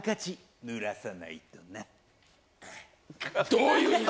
どういう意味？